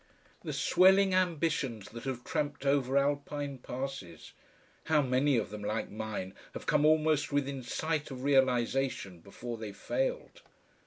The swelling ambitions that have tramped over Alpine passes! How many of them, like mine, have come almost within sight of realisation before they failed?